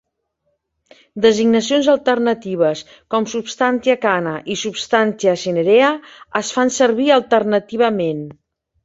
Designacions alternatives com "substantia cana" i "substantia cinerea" es fan servir alternativament.